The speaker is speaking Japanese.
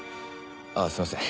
ああすいません。